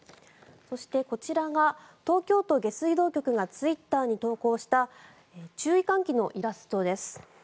そして、こちらが東京都下水道局がツイッターに投稿した注意喚起のイラストです。